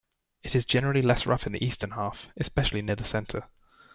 It is generally less rough in the eastern half, especially near the center.